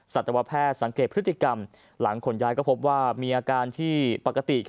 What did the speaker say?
สัตวแพทย์สังเกตพฤติกรรมหลังขนย้ายก็พบว่ามีอาการที่ปกติ